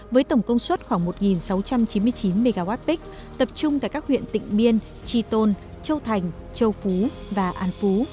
với tổng công suất khoảng một sáu trăm chín mươi chín mwp tập trung tại các huyện tỉnh biên tri tôn châu thành châu phú và an phú